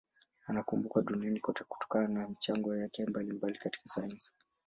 Anakumbukwa duniani kote kutokana na michango yake mbalimbali katika sayansi.